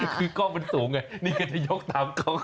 คือกล้องมันสูงไงนี่ก็จะยกตามกล้อง